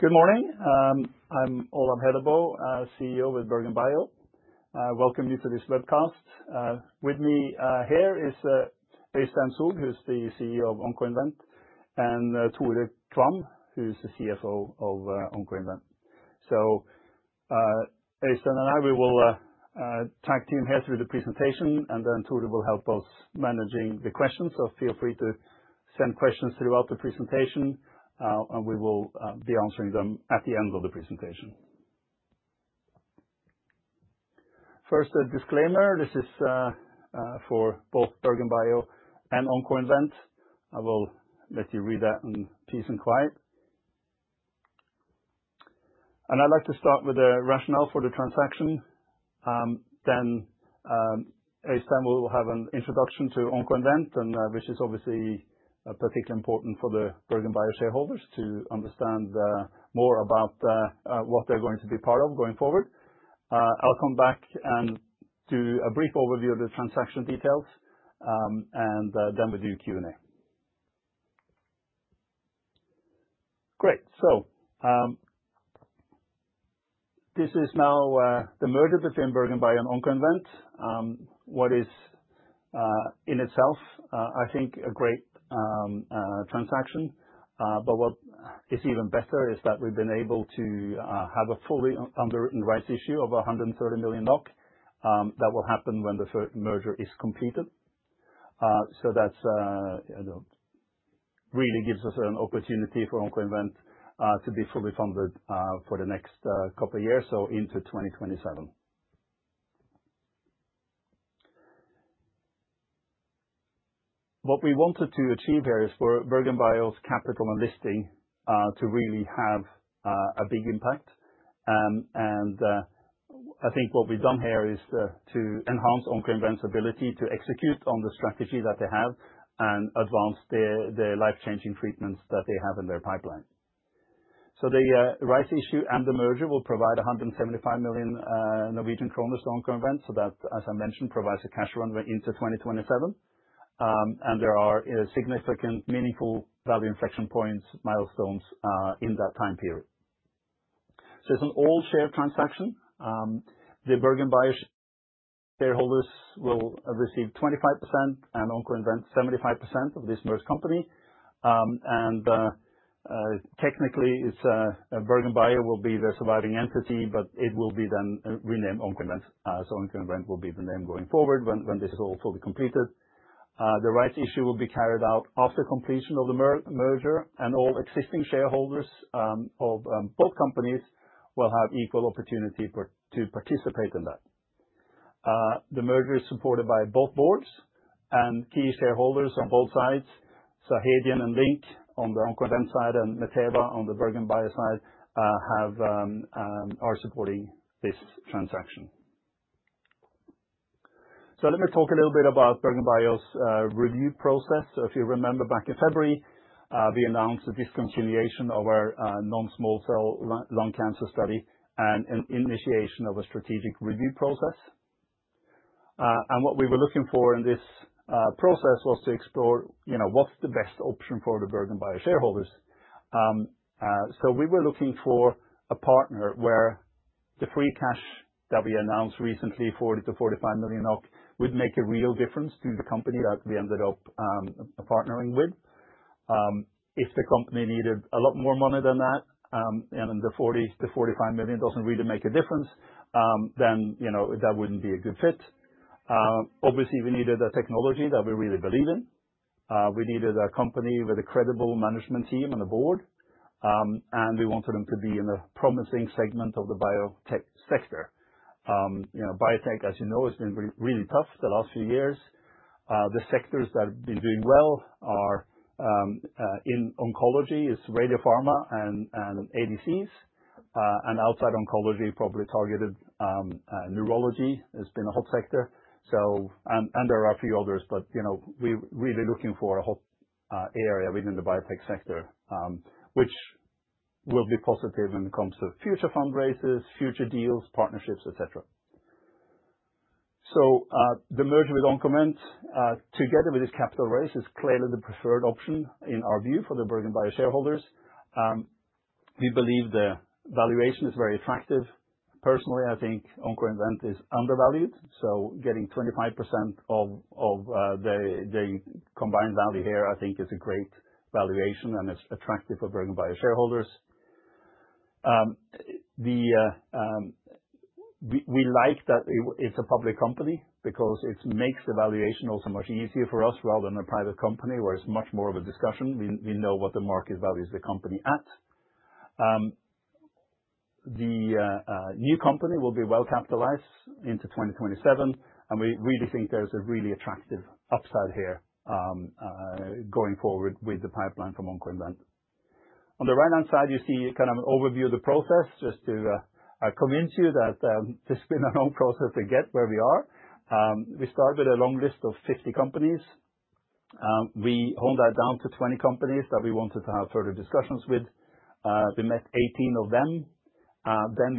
Good morning. I'm Olav Hellebø, CEO with BergenBio. Welcome you to this webcast. With me here is Øystein Soug, who's the CEO of Oncoinvent, and Tore Kvam, who's the CFO of Oncoinvent. Øystein and I, we will tag team here through the presentation, and then Tore will help us managing the questions. Feel free to send questions throughout the presentation, and we will be answering them at the end of the presentation. First, a disclaimer. This is for both BergenBio and Oncoinvent. I will let you read that in peace and quiet. I'd like to start with the rationale for the transaction. Øystein will have an introduction to Oncoinvent, which is obviously particularly important for the BergenBio shareholders to understand more about what they're going to be part of going forward. I'll come back and do a brief overview of the transaction details, and then we do Q&A. Great. This is now the merger between BergenBio and Oncoinvent, what is in itself, I think, a great transaction. What is even better is that we've been able to have a fully underwritten rights issue of 130 million NOK stock that will happen when the merger is completed. That really gives us an opportunity for Oncoinvent to be fully funded for the next couple of years, so into 2027. What we wanted to achieve here is for BergenBio's capital and listing to really have a big impact. I think what we've done here is to enhance Oncoinvent's ability to execute on the strategy that they have and advance the life-changing treatments that they have in their pipeline. The rights issue and the merger will provide 175 million Norwegian kroner to Oncoinvent. That, as I mentioned, provides a cash runway into 2027. There are significant, meaningful value inflection points, milestones in that time period. It's an all-share transaction. The BergenBio shareholders will receive 25% and Oncoinvent 75% of this merged company. Technically, BergenBio will be the surviving entity, but it will then be renamed Oncoinvent. Oncoinvent will be the name going forward when this is all fully completed. The rights issue will be carried out after completion of the merger, and all existing shareholders of both companies will have equal opportunity to participate in that. The merger is supported by both boards and key shareholders on both sides. Hadean and Linc on the Oncoinvent side and Mateva on the BergenBio side are supporting this transaction. Let me talk a little bit about BergenBio's review process. If you remember back in February, we announced the discontinuation of our non-small cell lung cancer study and initiation of a strategic review process. What we were looking for in this process was to explore what's the best option for the BergenBio shareholders. We were looking for a partner where the free cash that we announced recently, 40 million-45 million, would make a real difference to the company that we ended up partnering with. If the company needed a lot more money than that, and the 40 million-45 million does not really make a difference, then that would not be a good fit. Obviously, we needed a technology that we really believe in. We needed a company with a credible management team and a board. We wanted them to be in a promising segment of the biotech sector. Biotech, as you know, has been really tough the last few years. The sectors that have been doing well in oncology are radiopharma and ADCs. Outside oncology, probably targeted neurology has been a hot sector. There are a few others, but we're really looking for a hot area within the biotech sector, which will be positive when it comes to future fundraisers, future deals, partnerships, etc. The merger with Oncoinvent, together with this capital raise, is clearly the preferred option in our view for the BergenBio shareholders. We believe the valuation is very attractive. Personally, I think Oncoinvent is undervalued. Getting 25% of the combined value here, I think, is a great valuation and is attractive for BergenBio shareholders. We like that it's a public company because it makes the valuation also much easier for us rather than a private company, where it's much more of a discussion. We know what the market value is the company at. The new company will be well capitalized into 2027. We really think there's a really attractive upside here going forward with the pipeline from Oncoinvent. On the right-hand side, you see kind of an overview of the process. Just to convince you that this has been a long process to get where we are. We started with a long list of 50 companies. We honed that down to 20 companies that we wanted to have further discussions with. We met 18 of them.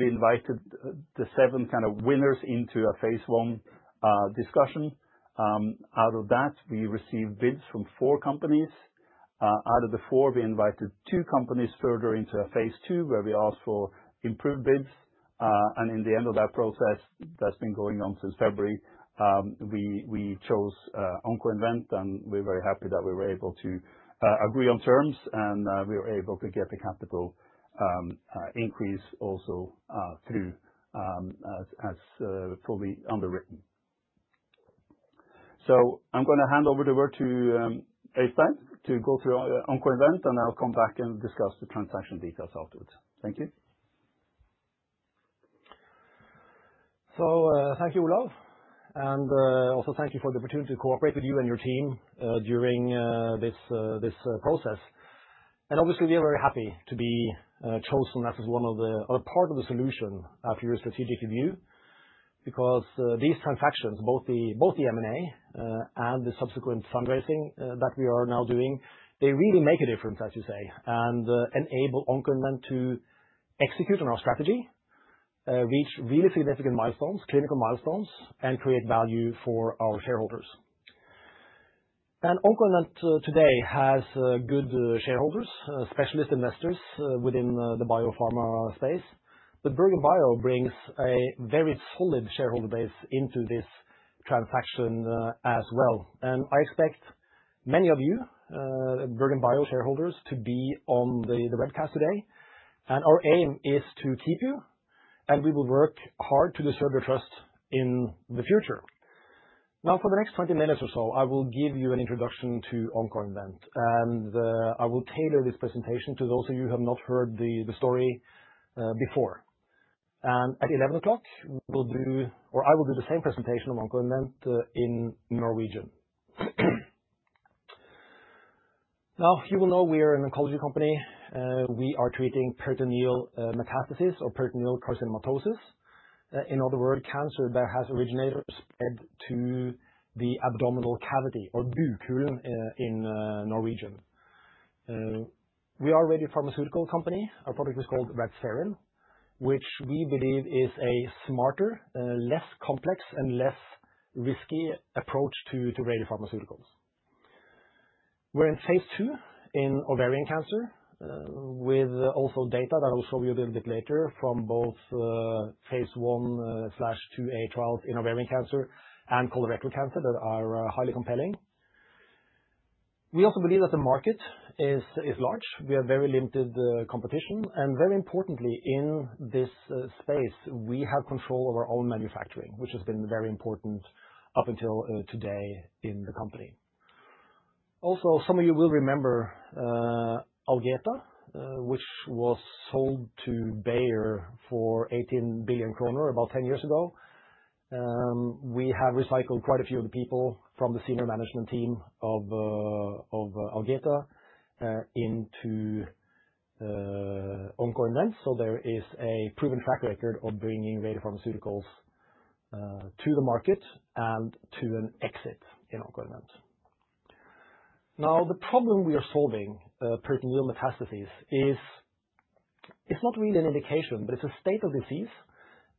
We invited the seven kind of winners into a phase I discussion. Out of that, we received bids from four companies. Out of the four, we invited two companies further into a phase II where we asked for improved bids. In the end of that process that's been going on since February, we chose Oncoinvent. We are very happy that we were able to agree on terms and we were able to get the capital increase also through as fully underwritten. I am going to hand over the word to Øystein to go through Oncoinvent, and I'll come back and discuss the transaction details afterwards. Thank you. Thank you, Olav. Also, thank you for the opportunity to cooperate with you and your team during this process. Obviously, we are very happy to be chosen as part of the solution after your strategic review because these transactions, both the M&A and the subsequent fundraising that we are now doing, really make a difference, as you say, and enable Oncoinvent to execute on our strategy, reach really significant milestones, clinical milestones, and create value for our shareholders. Oncoinvent today has good shareholders, specialist investors within the biopharma space. BergenBio brings a very solid shareholder base into this transaction as well. I expect many of you, BergenBio shareholders, to be on the webcast today. Our aim is to keep you, and we will work hard to deserve your trust in the future. Now, for the next 20 minutes or so, I will give you an introduction to Oncoinvent. I will tailor this presentation to those of you who have not heard the story before. At 11:00 A.M., we will do, or I will do the same presentation on Oncoinvent in Norwegian. You will know we are an oncology company. We are treating peritoneal metastasis or peritoneal carcinomatosis, in other words, cancer that has originated or spread to the abdominal cavity or bukhulen in Norwegian. We are a radiopharmaceutical company. Our product is called Radspherin, which we believe is a smarter, less complex, and less risky approach to radiopharmaceuticals. We're in phase II in ovarian cancer with also data that I'll show you a little bit later from both phase I/II-A trials in ovarian cancer and colorectal cancer that are highly compelling. We also believe that the market is large. We have very limited competition. Very importantly, in this space, we have control over our own manufacturing, which has been very important up until today in the company. Also, some of you will remember Algeta, which was sold to Bayer for 18 billion kroner about 10 years ago. We have recycled quite a few of the people from the senior management team of Algeta into Oncoinvent. There is a proven track record of bringing radiopharmaceuticals to the market and to an exit in Oncoinvent. Now, the problem we are solving, peritoneal metastasis, is not really an indication, but it is a state of disease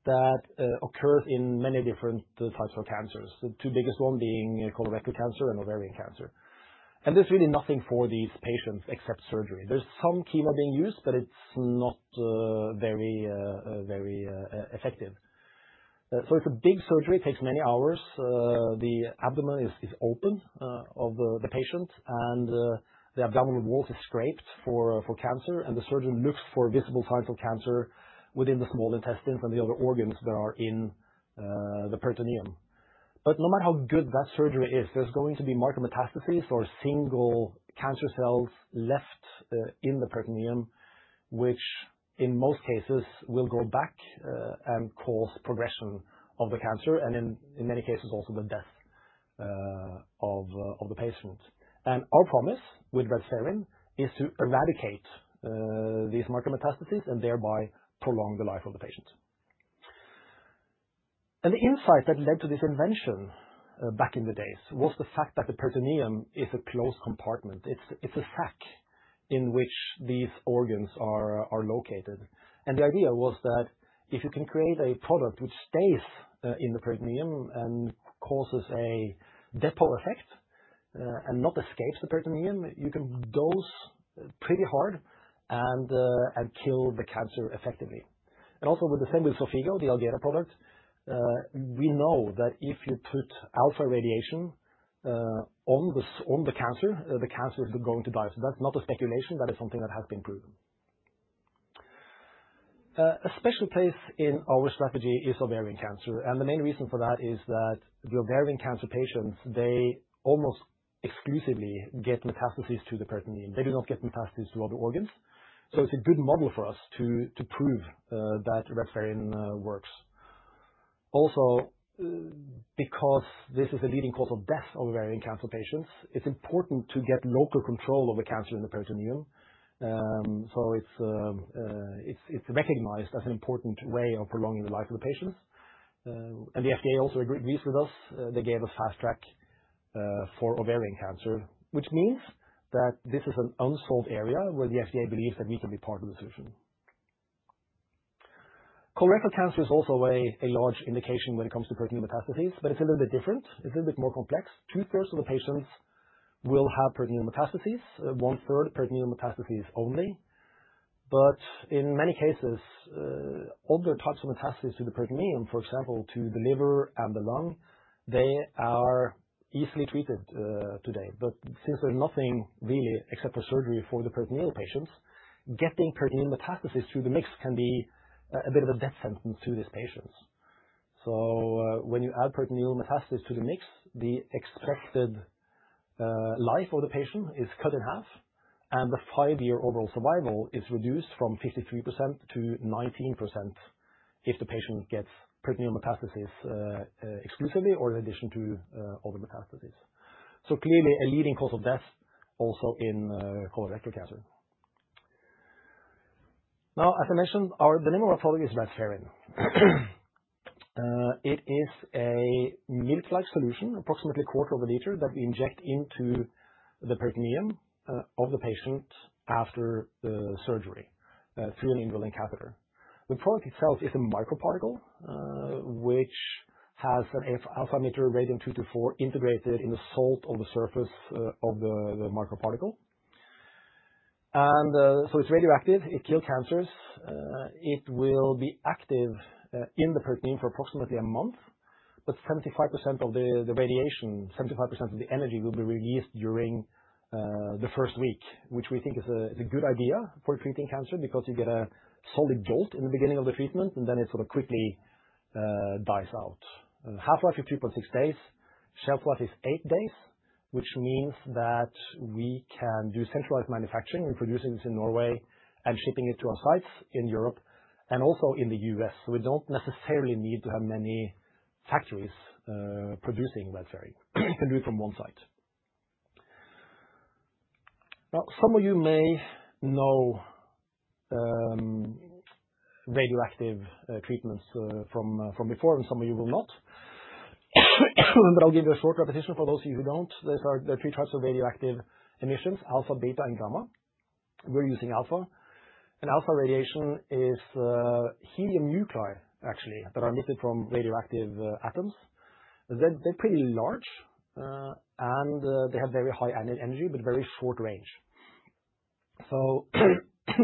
that occurs in many different types of cancers, the two biggest ones being colorectal cancer and ovarian cancer. There is really nothing for these patients except surgery. There's some chemo being used, but it's not very effective. It is a big surgery. It takes many hours. The abdomen is open of the patient, and the abdominal wall is scraped for cancer. The surgeon looks for visible signs of cancer within the small intestines and the other organs that are in the peritoneum. No matter how good that surgery is, there's going to be micrometastases or single cancer cells left in the peritoneum, which in most cases will go back and cause progression of the cancer and in many cases also the death of the patient. Our promise with Radspherin is to eradicate these micrometastases and thereby prolong the life of the patient. The insight that led to this invention back in the days was the fact that the peritoneum is a closed compartment. It is a sac in which these organs are located. The idea was that if you can create a product which stays in the peritoneum and causes a depot effect and does not escape the peritoneum, you can dose pretty hard and kill the cancer effectively. Also, with the same with Xofigo, the Algeta product, we know that if you put alpha radiation on the cancer, the cancer is going to die. That is not a speculation. That is something that has been proven. A special place in our strategy is ovarian cancer. The main reason for that is that the ovarian cancer patients, they almost exclusively get metastases to the peritoneum. They do not get metastases to other organs. It is a good model for us to prove that Radspherin works. Also, because this is a leading cause of death of ovarian cancer patients, it is important to get local control of the cancer in the peritoneum. It is recognized as an important way of prolonging the life of the patients. The FDA also agrees with us. They gave us fast track for ovarian cancer, which means that this is an unsolved area where the FDA believes that we can be part of the solution. Colorectal cancer is also a large indication when it comes to peritoneal metastases, but it is a little bit different. It is a little bit more complex. 2/3 of the patients will have peritoneal metastases, one-third peritoneal metastases only. In many cases, other types of metastases to the peritoneum, for example, to the liver and the lung, are easily treated today. Since there is nothing really except for surgery for the peritoneal patients, getting peritoneal metastases through the mix can be a bit of a death sentence to these patients. When you add peritoneal metastases to the mix, the expected life of the patient is cut in half, and the five-year overall survival is reduced from 53% to 19% if the patient gets peritoneal metastases exclusively or in addition to other metastases. Clearly, a leading cause of death also in colorectal cancer. Now, as I mentioned, our denominator of our product is Radspherin. It is a milk-like solution, approximately a quarter of a liter that we inject into the peritoneum of the patient after surgery through an indwelling catheter. The product itself is a microparticle, which has an alpha emitter radium-224 integrated in the salt of the surface of the microparticle. It is radioactive. It kills cancers. It will be active in the peritoneum for approximately a month. 75% of the radiation, 75% of the energy, will be released during the first week, which we think is a good idea for treating cancer because you get a solid jolt in the beginning of the treatment, and then it sort of quickly dies out. Half-life is 3.6 days. Shelf life is eight days, which means that we can do centralized manufacturing and produce this in Norway and ship it to our sites in Europe and also in the U.S. We do not necessarily need to have many factories producing Radspherin. We can do it from one site. Now, some of you may know radioactive treatments from before, and some of you will not. I will give you a short repetition for those of you who do not. There are three types of radioactive emissions: alpha, beta, and gamma. We are using alpha. Alpha radiation is helium nuclei, actually, that are emitted from radioactive atoms. They're pretty large, and they have very high energy but very short range.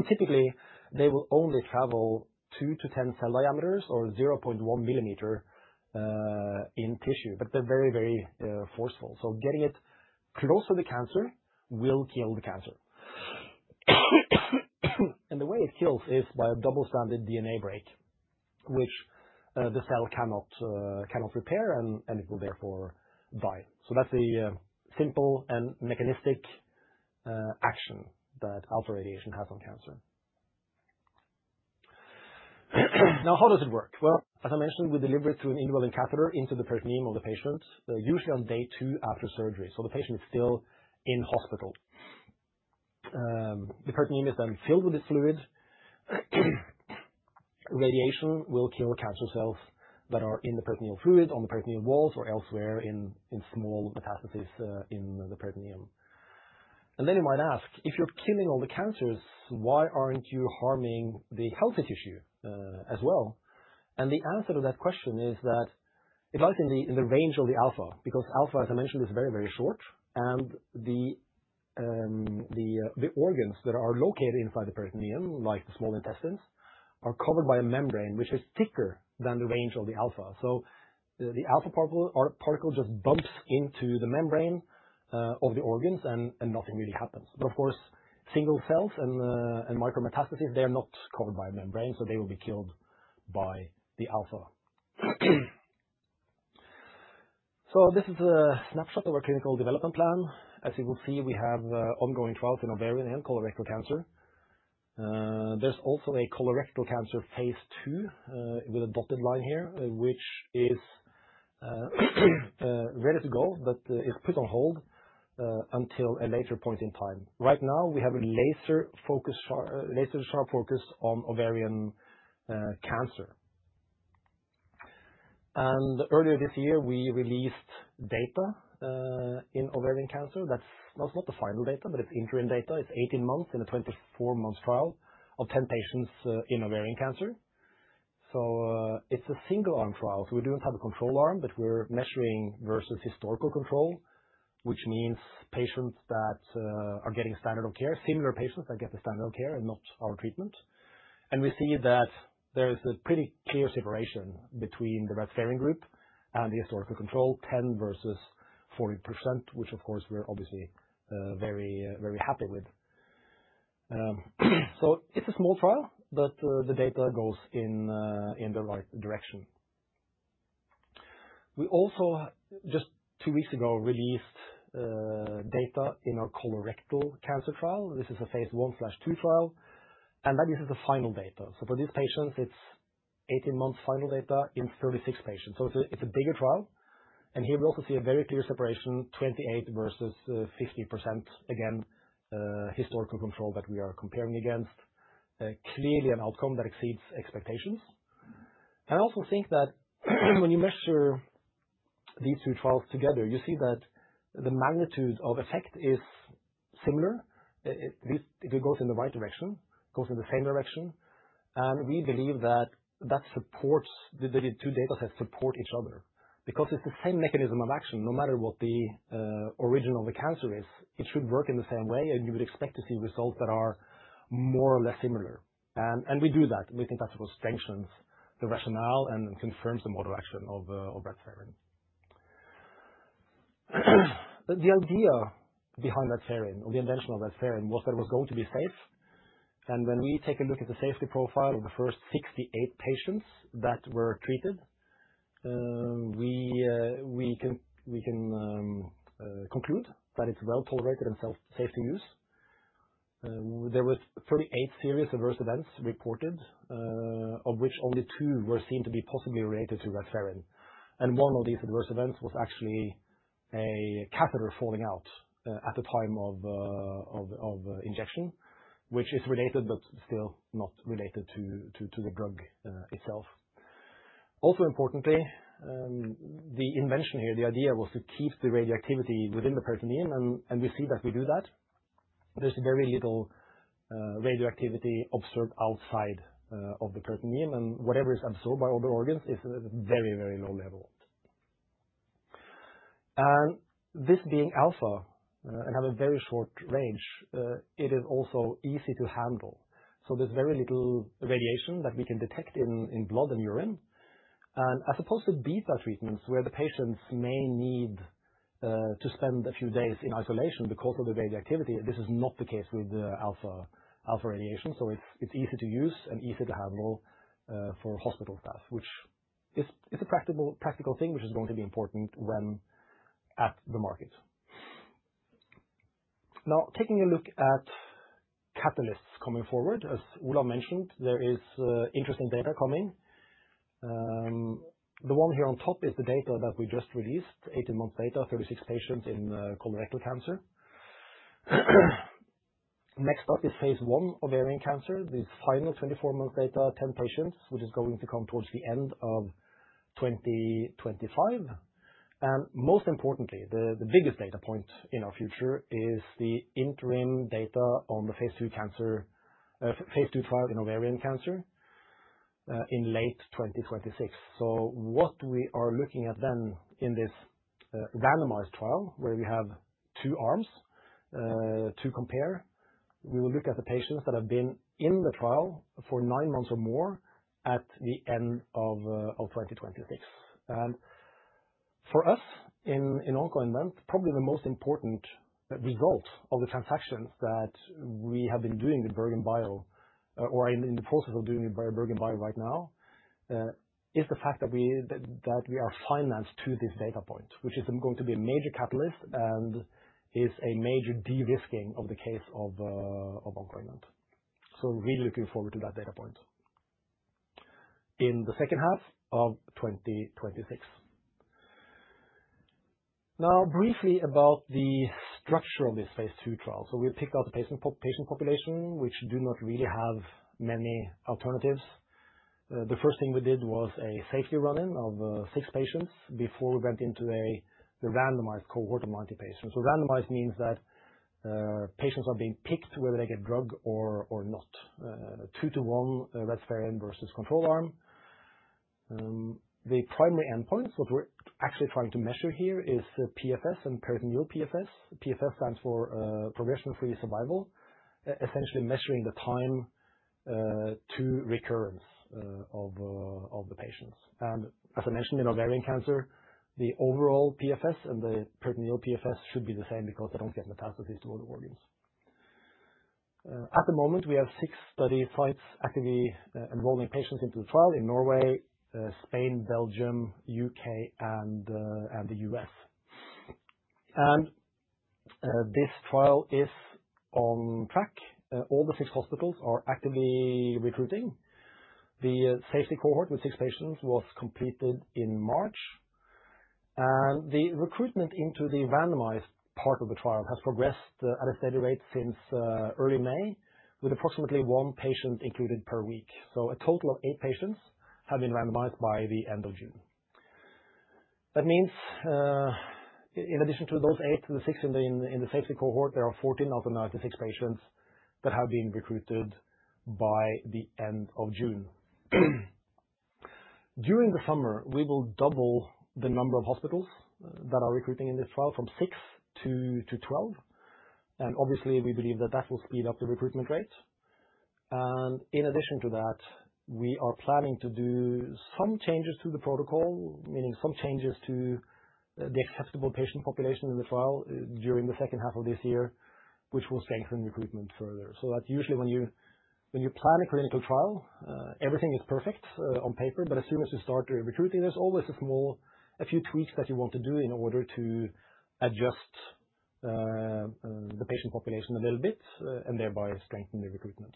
Typically, they will only travel 2-10 cell diameters or 0.1 mm in tissue, but they're very, very forceful. Getting it close to the cancer will kill the cancer. The way it kills is by a double-stranded DNA break, which the cell cannot repair, and it will therefore die. That's the simple and mechanistic action that alpha radiation has on cancer. How does it work? As I mentioned, we deliver it through an indwelling catheter into the peritoneum of the patient, usually on day two after surgery. The patient is still in hospital. The peritoneum is then filled with this fluid. Radiation will kill cancer cells that are in the peritoneal fluid, on the peritoneal walls, or elsewhere in small metastases in the peritoneum. You might ask, if you're killing all the cancers, why aren't you harming the healthy tissue as well? The answer to that question is that it lies in the range of the alpha because alpha, as I mentioned, is very, very short. The organs that are located inside the peritoneum, like the small intestines, are covered by a membrane which is thicker than the range of the alpha. The alpha particle just bumps into the membrane of the organs, and nothing really happens. Of course, single cells and micrometastases, they are not covered by a membrane, so they will be killed by the alpha. This is a snapshot of our clinical development plan. As you will see, we have ongoing trials in ovarian and colorectal cancer. There's also a colorectal cancer phase II with a dotted line here, which is ready to go but is put on hold until a later point in time. Right now, we have a laser sharp focus on ovarian cancer. Earlier this year, we released data in ovarian cancer. That's not the final data, but it's interim data. It's 18 months in a 24-month trial of 10 patients in ovarian cancer. It's a single-arm trial. We do not have a control arm, but we're measuring versus historical control, which means patients that are getting standard of care, similar patients that get the standard of care and not our treatment. We see that there is a pretty clear separation between the Radspherin group and the historical control, 10% versus 40%, which, of course, we're obviously very, very happy with. It's a small trial, but the data goes in the right direction. We also just two weeks ago released data in our colorectal cancer trial. This is a phase I/II trial. That is the final data. For these patients, it's 18 months final data in 36 patients. It's a bigger trial. Here we also see a very clear separation, 28% versus 50%, again, historical control that we are comparing against. Clearly, an outcome that exceeds expectations. I also think that when you measure these two trials together, you see that the magnitude of effect is similar. It goes in the right direction, goes in the same direction. We believe that that supports the two data sets support each other because it's the same mechanism of action. No matter what the origin of the cancer is, it should work in the same way. You would expect to see results that are more or less similar. We do that. We think that sort of strengthens the rationale and confirms the model action of Radspherin. The idea behind Radspherin or the invention of Radspherin was that it was going to be safe. When we take a look at the safety profile of the first 68 patients that were treated, we can conclude that it's well tolerated and safe to use. There were 38 serious adverse events reported, of which only two were seen to be possibly related to Radspherin. One of these adverse events was actually a catheter falling out at the time of injection, which is related but still not related to the drug itself. Also importantly, the invention here, the idea was to keep the radioactivity within the peritoneum. We see that we do that. There is very little radioactivity observed outside of the peritoneum. Whatever is absorbed by other organs is very, very low level. This being alpha and having a very short range, it is also easy to handle. There is very little radiation that we can detect in blood and urine. As opposed to beta treatments where the patients may need to spend a few days in isolation because of the radioactivity, this is not the case with alpha radiation. It's easy to use and easy to handle for hospital staff, which is a practical thing which is going to be important when at the market. Now, taking a look at catalysts coming forward, as Olav mentioned, there is interesting data coming. The one here on top is the data that we just released, 18 months data, 36 patients in colorectal cancer. Next up is phase I ovarian cancer. This final 24-month data, 10 patients, which is going to come towards the end of 2025. Most importantly, the biggest data point in our future is the interim data on the phase II trial in ovarian cancer in late 2026. What we are looking at then in this randomized trial where we have two arms to compare, we will look at the patients that have been in the trial for nine months or more at the end of 2026. For us in Oncoinvent, probably the most important result of the transactions that we have been doing with BergenBio or in the process of doing with BergenBio right now is the fact that we are financed to this data point, which is going to be a major catalyst and is a major de-risking of the case of Oncoinvent. Really looking forward to that data point in the second half of 2026. Now, briefly about the structure of this phase II trial. We picked out the patient population, which do not really have many alternatives. The first thing we did was a safety run-in of six patients before we went into the randomized cohort of 90 patients. Randomized means that patients are being picked whether they get drug or not, two-to-one Radspherin versus control arm. The primary endpoints, what we're actually trying to measure here is PFS and peritoneal PFS. PFS stands for progression-free survival, essentially measuring the time to recurrence of the patients. As I mentioned, in ovarian cancer, the overall PFS and the peritoneal PFS should be the same because they do not get metastases to other organs. At the moment, we have six study sites actively enrolling patients into the trial in Norway, Spain, Belgium, the U.K., and the U.S. This trial is on track. All the six hospitals are actively recruiting. The safety cohort with six patients was completed in March. The recruitment into the randomized part of the trial has progressed at a steady rate since early May, with approximately one patient included per week. A total of eight patients have been randomized by the end of June. That means in addition to those eight, the six in the safety cohort, there are 14 out of 96 patients that have been recruited by the end of June. During the summer, we will double the number of hospitals that are recruiting in this trial from 6 to 12. Obviously, we believe that will speed up the recruitment rate. In addition to that, we are planning to do some changes to the protocol, meaning some changes to the acceptable patient population in the trial during the second half of this year, which will strengthen recruitment further. Usually when you plan a clinical trial, everything is perfect on paper. But as soon as you start recruiting, there's always a few tweaks that you want to do in order to adjust the patient population a little bit and thereby strengthen the recruitment.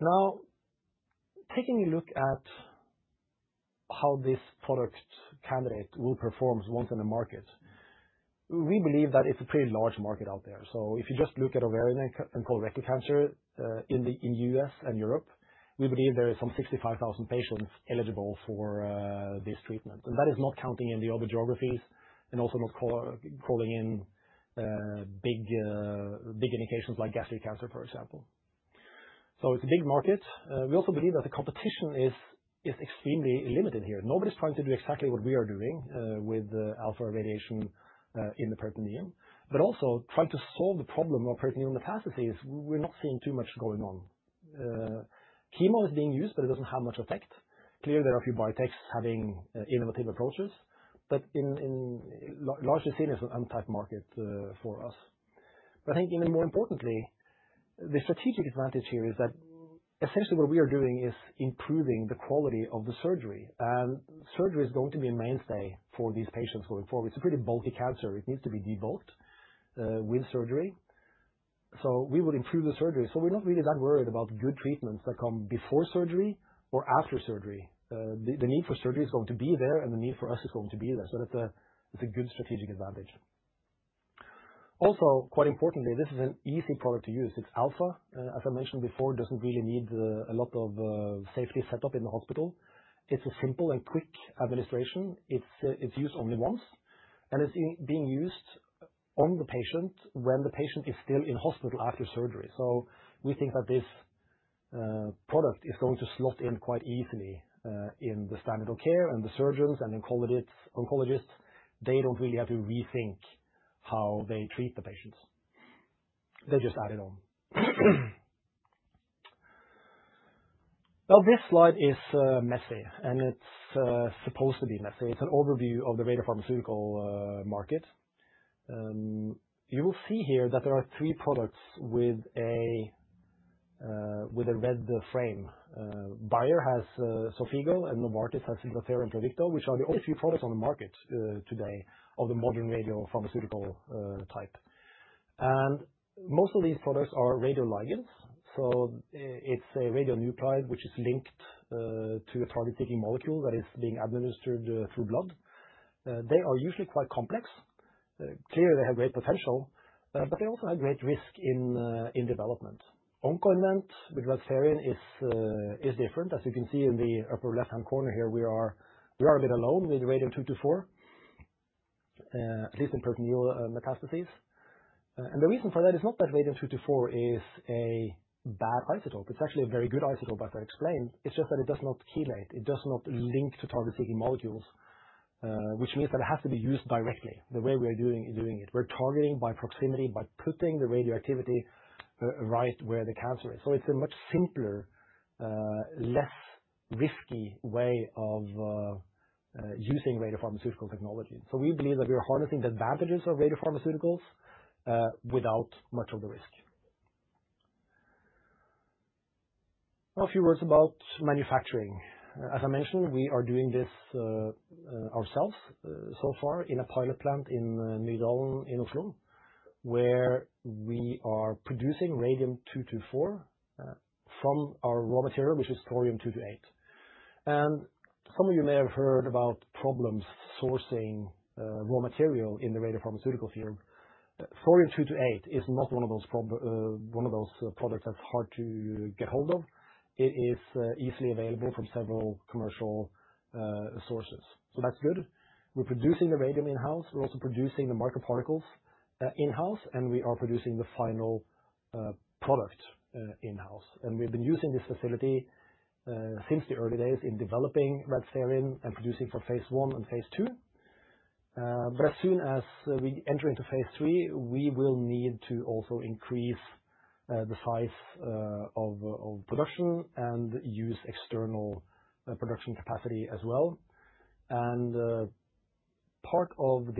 Now, taking a look at how this product candidate will perform once in the market, we believe that it's a pretty large market out there. If you just look at ovarian and colorectal cancer in the U.S. and Europe, we believe there are some 65,000 patients eligible for this treatment. That is not counting in the other geographies and also not calling in big indications like gastric cancer, for example. It's a big market. We also believe that the competition is extremely limited here. Nobody's trying to do exactly what we are doing with alpha radiation in the peritoneum. Also trying to solve the problem of peritoneal metastases, we're not seeing too much going on. Chemo is being used, but it does not have much effect. Clearly, there are a few biotechs having innovative approaches, but largely seen as an untapped market for us. I think even more importantly, the strategic advantage here is that essentially what we are doing is improving the quality of the surgery. Surgery is going to be a mainstay for these patients going forward. It is a pretty bulky cancer. It needs to be debulked with surgery. We will improve the surgery. We are not really that worried about good treatments that come before surgery or after surgery. The need for surgery is going to be there, and the need for us is going to be there. That is a good strategic advantage. Also, quite importantly, this is an easy product to use. It's alpha. As I mentioned before, it doesn't really need a lot of safety setup in the hospital. It's a simple and quick administration. It's used only once. It's being used on the patient when the patient is still in hospital after surgery. We think that this product is going to slot in quite easily in the standard of care and the surgeons and the oncologists. They don't really have to rethink how they treat the patients. They just add it on. Now, this slide is messy, and it's supposed to be messy. It's an overview of the radiopharmaceutical market. You will see here that there are three products with a red frame. Bayer has Xofigo, and Novartis has Lutathera and Pluvicto, which are the only few products on the market today of the modern radiopharmaceutical type. Most of these products are radioligands. It is a radionuclide which is linked to a target-seeking molecule that is being administered through blood. They are usually quite complex. Clearly, they have great potential, but they also have great risk in development. Oncoinvent with Radspherin is different. As you can see in the upper left-hand corner here, we are a bit alone with radium-224, at least in peritoneal metastases. The reason for that is not that radium-224 is a bad isotope. It is actually a very good isotope, as I explained. It is just that it does not chelate. It does not link to target-seeking molecules, which means that it has to be used directly the way we are doing it. We're targeting by proximity, by putting the radioactivity right where the cancer is. It is a much simpler, less risky way of using radiopharmaceutical technology. We believe that we are harnessing the advantages of radiopharmaceuticals without much of the risk. A few words about manufacturing. As I mentioned, we are doing this ourselves so far in a pilot plant in Nydalen in Oslo where we are producing radium-224 from our raw material, which is thorium-228. Some of you may have heard about problems sourcing raw material in the radiopharmaceutical field. Thorium-228 is not one of those products that's hard to get hold of. It is easily available from several commercial sources. That is good. We're producing the radium in-house. We're also producing the microparticles in-house, and we are producing the final product in-house. We've been using this facility since the early days in developing Radspherin and producing for phase I and phase II. As soon as we enter into phase III, we will need to also increase the size of production and use external production capacity as well. Part of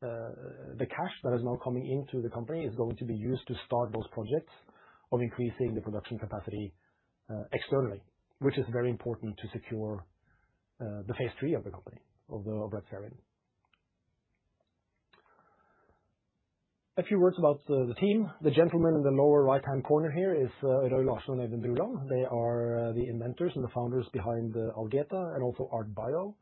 the cash that is now coming into the company is going to be used to start those projects of increasing the production capacity externally, which is very important to secure the phase III of the company, of Radspherin. A few words about the team. The gentleman in the lower right-hand corner here is Roy Larsen and Øyvind Bruland. They are the inventors and the founders behind Algeta and also ARTBIO,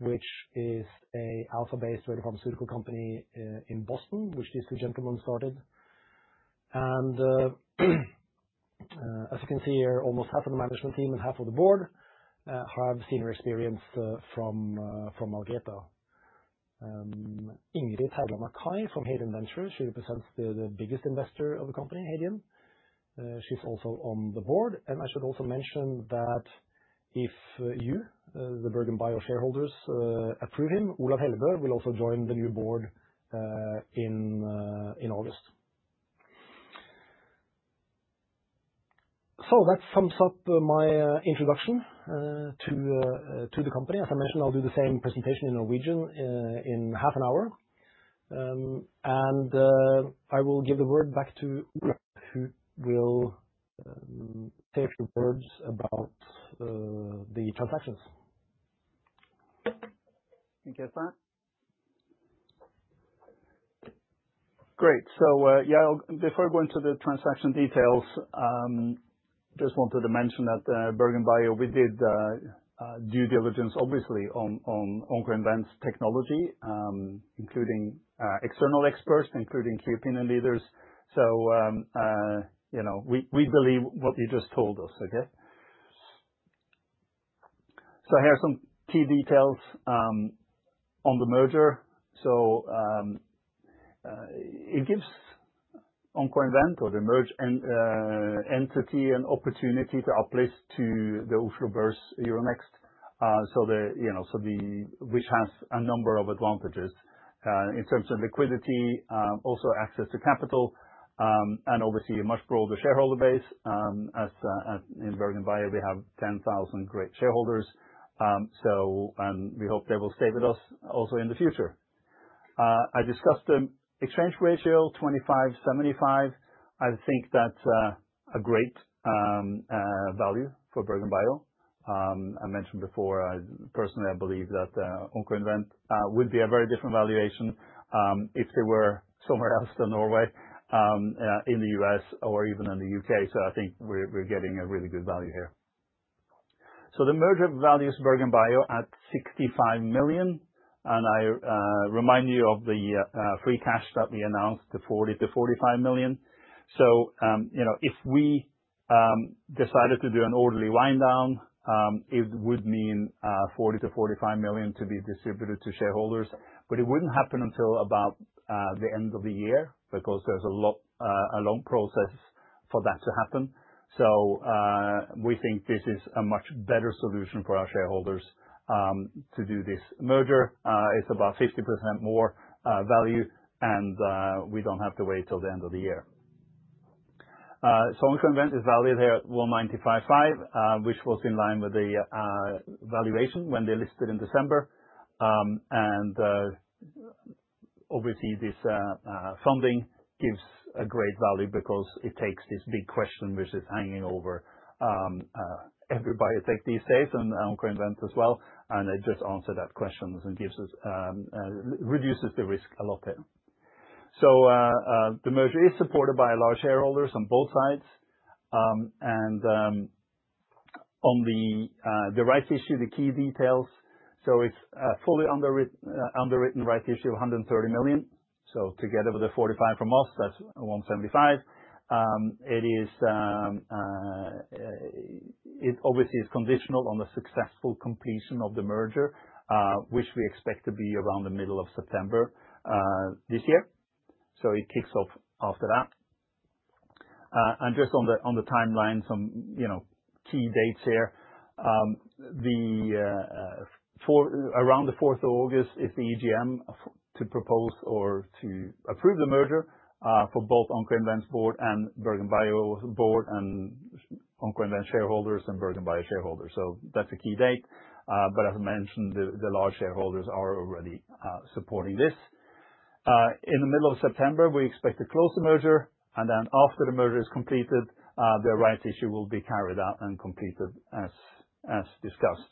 which is an alpha-based radiopharmaceutical company in Boston which these two gentlemen started. As you can see here, almost half of the management team and half of the board have senior experience from Algeta. Ingrid Teigland Akay from Hadean Ventures. She represents the biggest investor of the company, Hadean. She's also on the board. I should also mention that if you, the BergenBio shareholders, approve him, Olav Hellebø will also join the new board in August. That sums up my introduction to the company. As I mentioned, I'll do the same presentation in Norwegian in half an hour. I will give the word back to Olav, who will say a few words about the transactions. Thank you for that. Great. Before I go into the transaction details, I just wanted to mention that at BergenBio, we did due diligence, obviously, on Oncoinvent's technology, including external experts, including key opinion leaders. We believe what you just told us, okay? Here are some key details on the merger. It gives Oncoinvent or the merged entity an opportunity to uplift to the Oslo Børs Euronext, which has a number of advantages in terms of liquidity, also access to capital, and obviously a much broader shareholder base. In BergenBio, we have 10,000 great shareholders, and we hope they will stay with us also in the future. I discussed the exchange ratio, 25-75. I think that is a great value for BergenBio. I mentioned before, personally, I believe that Oncoinvent would be a very different valuation if they were somewhere else than Norway, in the U.S. or even in the U.K. I think we're getting a really good value here. The merger values BergenBio at 65 million. I remind you of the free cash that we announced, the 40 million-45 million. If we decided to do an orderly wind down, it would mean 40 million-45 million to be distributed to shareholders. It would not happen until about the end of the year because there's a long process for that to happen. We think this is a much better solution for our shareholders to do this merger. It's about 50% more value, and we do not have to wait till the end of the year. Oncoinvent is valued here at 195.5 million, which was in line with the valuation when they listed in December. Obviously, this funding gives a great value because it takes this big question which is hanging over everybody these days and Oncoinvent as well. It just answers that question and reduces the risk a lot there. The merger is supported by large shareholders on both sides. On the rights issue, the key details, it is a fully underwritten rights issue of 130 million. Together with the 45 million from us, that is NOK 175 million. It obviously is conditional on the successful completion of the merger, which we expect to be around the middle of September this year. It kicks off after that. On the timeline, some key dates here. Around the 4th of August is the EGM to propose or to approve the merger for both Oncoinvent's board and BergenBio's board and Oncoinvent shareholders and BergenBio shareholders. That is a key date. As I mentioned, the large shareholders are already supporting this. In the middle of September, we expect to close the merger. After the merger is completed, the rights issue will be carried out and completed as discussed.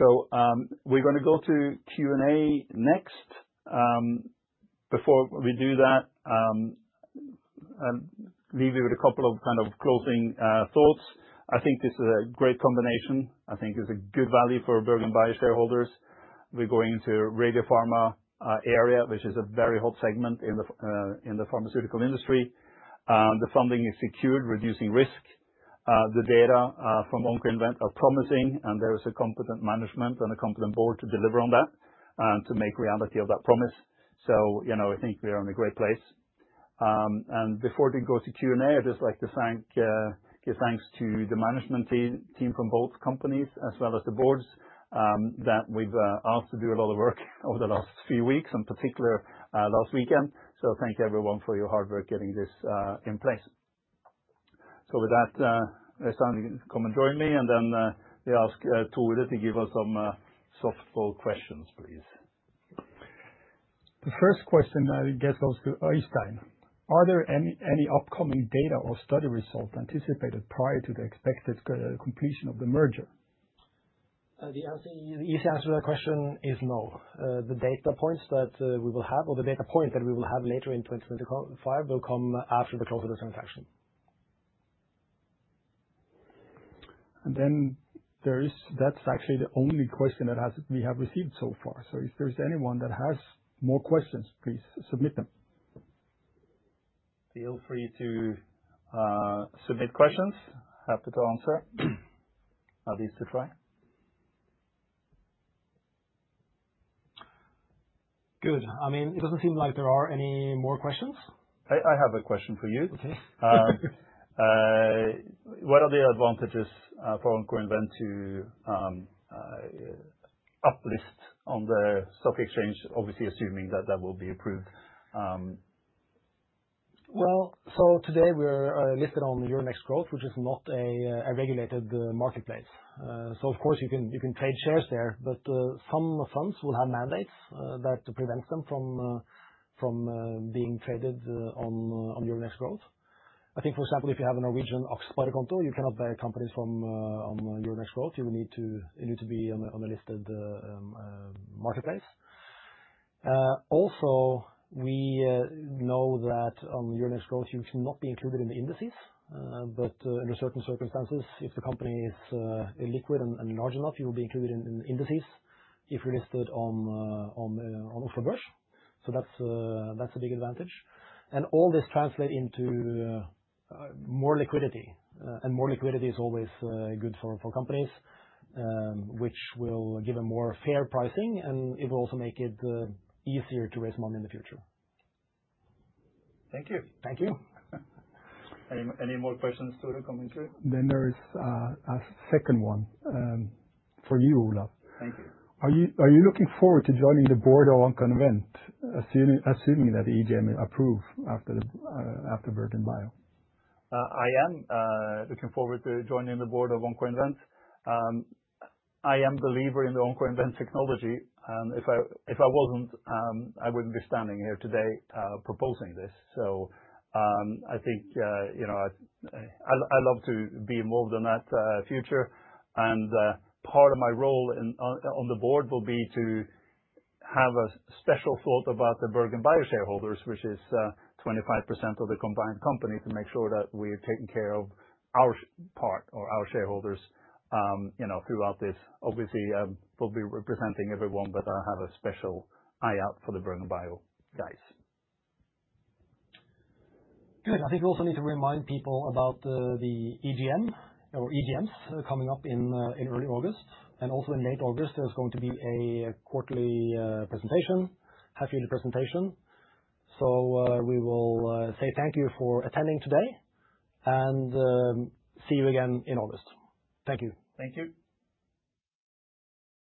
We're going to go to Q&A next. Before we do that, I'll leave you with a couple of kind of closing thoughts. I think this is a great combination. I think it's a good value for BergenBio shareholders. We're going into the radiopharma area, which is a very hot segment in the pharmaceutical industry. The funding is secured, reducing risk. The data from Oncoinvent are promising, and there is a competent management and a competent board to deliver on that and to make reality of that promise. I think we are in a great place. Before we go to Q&A, I'd just like to give thanks to the management team from both companies as well as the boards that we've asked to do a lot of work over the last few weeks, in particular last weekend. Thank everyone for your hard work getting this in place. With that, it's time to come and join me. Then we ask Tore to give us some softball questions, please. The first question that gets us to Øystein: Are there any upcoming data or study results anticipated prior to the expected completion of the merger? The easy answer to that question is no. The data points that we will have or the data point that we will have later in 2025 will come after the close of the transaction. That is actually the only question that we have received so far. If there is anyone that has more questions, please submit them. Feel free to submit questions. Happy to answer. At least to try. Good. I mean, it does not seem like there are any more questions. I have a question for you. What are the advantages for Oncoinvent to uplist on the stock exchange, obviously assuming that that will be approved? Today we are listed on Euronext Growth, which is not a regulated marketplace. Of course, you can trade shares there, but some funds will have mandates that prevent them from being traded on Euronext Growth. I think, for example, if you have a Norwegian Aksjeskonto, you cannot buy companies from Euronext Growth. You need to be on a listed marketplace. Also, we know that on Euronext Growth, you cannot be included in the indices. Under certain circumstances, if the company is liquid and large enough, you will be included in indices if you're listed on Oslo Børs. That is a big advantage. All this translates into more liquidity. More liquidity is always good for companies, which will give a more fair pricing, and it will also make it easier to raise money in the future. Thank you. Thank you. Any more questions, Tore? There is a second one for you, Olav. Thank you. Are you looking forward to joining the board of Oncoinvent, assuming that the EGM will approve after BergenBio? I am looking forward to joining the board of Oncoinvent. I am a believer in the Oncoinvent technology. If I wasn't, I wouldn't be standing here today proposing this. I think I'd love to be involved in that future. Part of my role on the board will be to have a special thought about the BergenBio shareholders, which is 25% of the combined company, to make sure that we're taking care of our part or our shareholders throughout this. Obviously, we'll be representing everyone, but I have a special eye out for the BergenBio guys. I think we also need to remind people about the EGM or EGMs coming up in early August. Also, in late August, there's going to be a quarterly presentation, half-yearly presentation. We will say thank you for attending today and see you again in August. Thank you. Thank you.